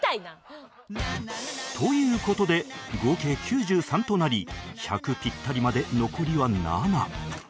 という事で合計９３となり１００ピッタリまで残りは７